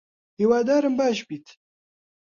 هیوادارم باش بیت